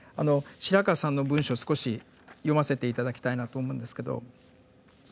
白川さんの文章を少し読ませて頂きたいなと思うんですけど。